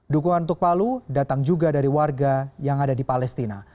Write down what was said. dukungan untuk palu datang juga dari warga yang ada di palestina